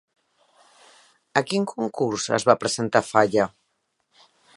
A quin concurs es va presentar Falla?